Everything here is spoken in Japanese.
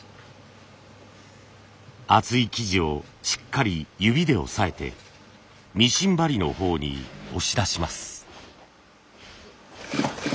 厚い生地をしっかり指で押さえてミシン針のほうに押し出します。